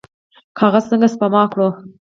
کاغذ څنګه سپما کړو؟